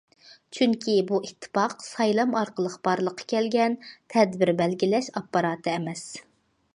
چۈنكى بۇ ئىتتىپاق سايلام ئارقىلىق بارلىققا كەلگەن تەدبىر بەلگىلەش ئاپپاراتى ئەمەس.